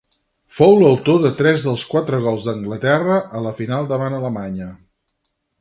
Fou l'autor de tres dels quatre gols d'Anglaterra a la final davant Alemanya.